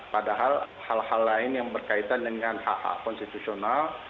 padahal hal hal lain yang berkaitan dengan hak hak konstitusional